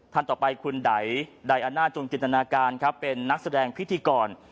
ท่านต่อไปคุณไดอาน่าจุนจินตนาการครับเป็นนักแสดงพิธีกร